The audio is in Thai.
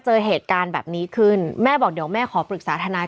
เจอเหตุการณ์แบบนี้ขึ้นแม่บอกเดี๋ยวแม่ขอปรึกษาทนาย